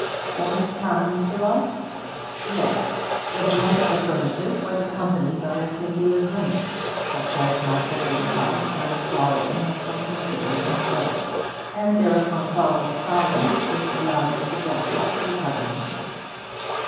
Going to town, Mr. Lott?' 'Yes.' The blunt affirmative was accompanied by a singular grimace, such as might have been caused by the swallowing of something very unpleasant; and thereupon followed a silence which allowed Mr. Daffy to recover himself.